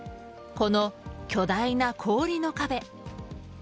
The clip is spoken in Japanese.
この巨大な氷の壁。